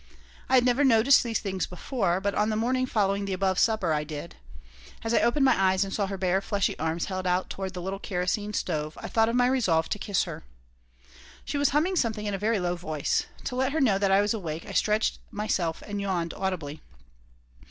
I had never noticed these things before, but on the morning following the above supper I did. As I opened my eyes and saw her bare, fleshy arms held out toward the little kerosene stove I thought of my resolve to kiss her She was humming something in a very low voice. To let her know that I was awake I stretched myself and yawned audibly.